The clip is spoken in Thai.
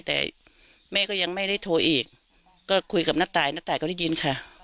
แต่แม่ก็ยังไม่ได้โทรอีกก็คุยกับณตายณตายก็ได้ยินค่ะ